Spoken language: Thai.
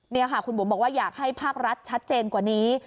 นี่ค่ะคุณบุ๋มบอกว่าอยากให้ภาครัฐชัดเจนกว่านี้